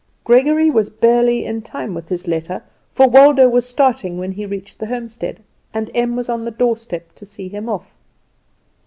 Gregory was barely in time with his letter, for Waldo was starting when he reached the homestead, and Em was on the doorstep to see him off.